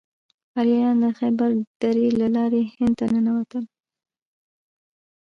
آریایان د خیبر درې له لارې هند ته ننوتل.